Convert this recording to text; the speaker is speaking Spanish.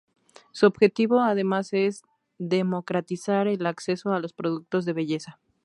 Su objetivo, además, es democratizar el acceso a los productos de belleza.